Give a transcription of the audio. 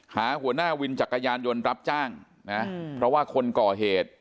หัวหน้าวินจักรยานยนต์รับจ้างนะเพราะว่าคนก่อเหตุ